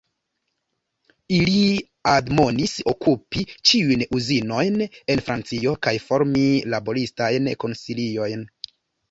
Ili admonis okupi ĉiujn uzinojn en Francio kaj formi laboristajn konsiliojn.